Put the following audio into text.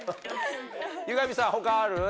湯上さん他ある？